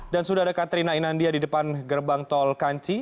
dan sudah ada katrina inandia di depan gerbang tol kanci